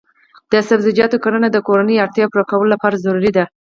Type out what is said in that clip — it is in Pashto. د سبزیجاتو کرنه د کورنیو اړتیاوو پوره کولو لپاره ضروري ده.